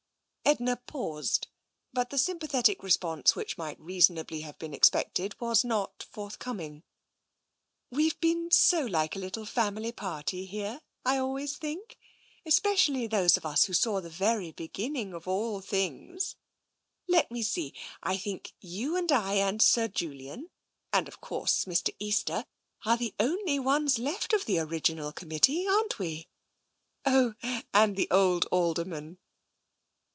Edna paused, but the sympathetic response which might reasonably have been expected was not forth coming. "We've been so like a little family party here, I always think — especially those of us who saw the very beginning of all things. Let me see, I think you and I and Sir Julian, and of course Mr. Easter, are the only ones left of the original committee, aren't we? Oh, and the old Alderman."